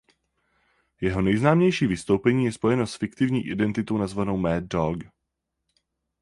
Jeho nejznámější vystoupení je spojeno s fiktivní identitou nazvanou "Mad Dog".